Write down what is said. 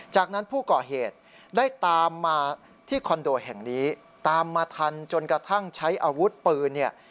จากนั้นผู้ก่อเหตุได้ตามมาที่คอนโดแห่งนี้ตามมาทันจนกระทั่งใช้อาวุธปืนเนี่ย